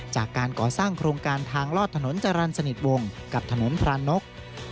จากการก่อสร้างโครงการทางลอดถนนจรรย์สนิทวงกับถนนพรานก